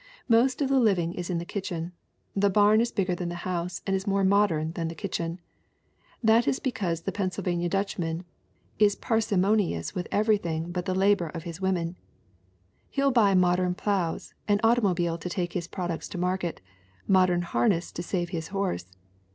"Most of the living is in the kitchen. The barn is bigger than the house and is more modern than the kitchen. That is because the Pennsylvania Dutchman is parsimonious with everything but the labor of his women. He'll buy modern plows, an automobile to take his products to market, modern harness to save his horse.